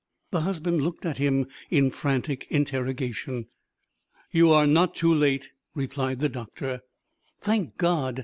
The husband looked at him in frantic interrogation. "You are not too late," replied the doctor. "Thank God!"